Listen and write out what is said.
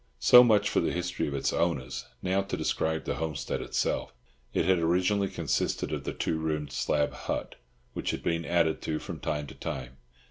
So much for the history of its owners; now to describe the homestead itself. It had originally consisted of the two roomed slab hut, which had been added to from time to time.